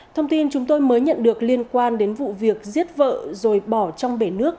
thông tin chúng tôi mới nhận được liên quan đến vụ việc giết vợ rồi bỏ trong bể nước